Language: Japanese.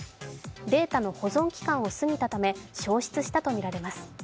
データの保存期間を過ぎたため消失したとみられます。